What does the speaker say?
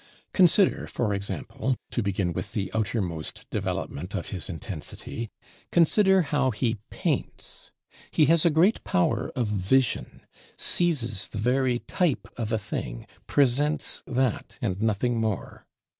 Consider, for example, to begin with the outermost development of his intensity, consider how he paints. He has a great power of vision; seizes the very type of a thing; presents that and nothing more.